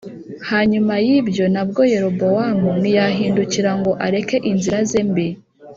Hanyuma y’ibyo na bwo Yerobowamu ntiyahindukira ngo areke inzira ze mbi